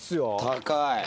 高い。